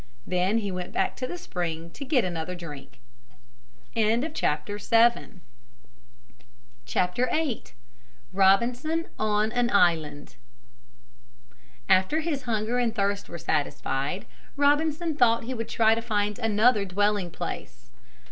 Then he went back to the spring to get another drink. VIII ROBINSON ON AN ISLAND After his hunger and thirst were satisfied, Robinson thought he would try to find another dwelling place.